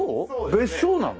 別荘なの？